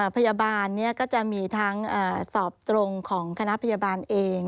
พยาบาลก็จะมีทั้งสอบตรงของคณะพยาบาลเอง